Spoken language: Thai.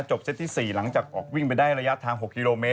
จบเซ็ตที่๔หลังจากออกวิ่งไปได้ระยะทาง๖คม